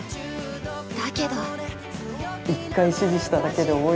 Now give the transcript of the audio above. だけど◆